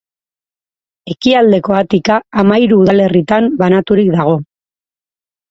Ekialdeko Atika hamahiru udalerritan banaturik dago.